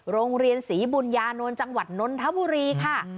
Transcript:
โรงเรียนศรีบุญญานนท์จังหวัดนนทบุรีค่ะ